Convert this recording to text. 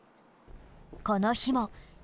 この日も。